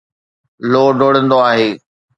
لو ڊوڙندو آهي